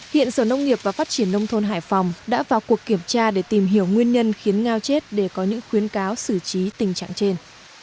hiện sở nông nghiệp và phát triển nông thôn hải phòng đã vào cuộc kiểm tra để tìm hiểu nguyên nhân khiến ngao chết để có những khuyến cáo xử trí tình trạng trên